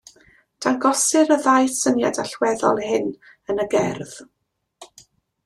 Dangosir y ddau syniad allweddol hyn yn y gerdd.